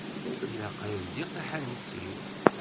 Ilaq ad ldiɣ taḥanut-iw.